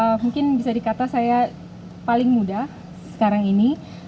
ya mungkin bisa dikata saya paling muda sekarang ini